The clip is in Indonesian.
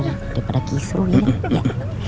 daripada kisru ya